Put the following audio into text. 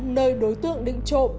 nơi đối tượng định trộm